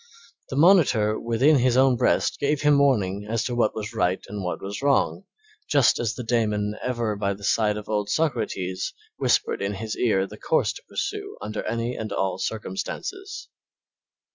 The monitor within his own breast gave him warning as to what was right and what was wrong, just as the daemon ever by the side of old Socrates whispered in his ear the course to pursue under any and all circumstances.